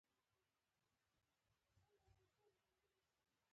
• د خلکو لپاره داسې ژوند وکړه، چې هغوی ته الهام ورکړې.